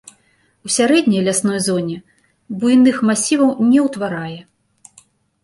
У сярэдняй лясной зоне буйных масіваў не ўтварае.